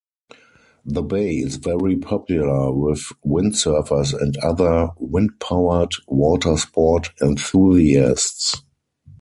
The bay is very popular with windsurfers and other windpowered watersport enthusiasts.